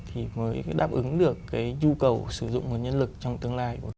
thì mới đáp ứng được cái nhu cầu sử dụng nguồn nhân lực trong tương lai